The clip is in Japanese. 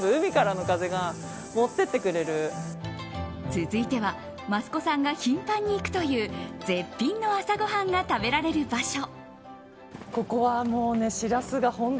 続いては、益子さんが頻繁に行くという絶品の朝ごはんが食べられる場所。